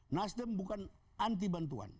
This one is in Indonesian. nasdem bukan anti bantuan